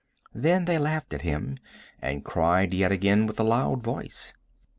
Then they laughed at him, and cried yet again with a loud voice.